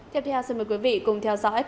tiếp theo xin mời quý vị cùng theo dõi các tin tức